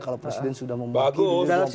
kalau presiden sudah memakian bagus